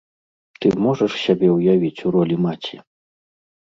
Ты можаш сябе ўявіць у ролі маці?